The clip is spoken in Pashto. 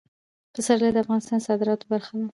پسرلی د افغانستان د صادراتو برخه ده.